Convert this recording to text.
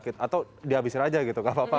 atau dihabisin aja gitu gak apa apa